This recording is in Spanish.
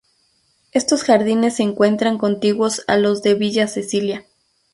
Estos jardines se encuentran contiguos a los de Villa Cecilia.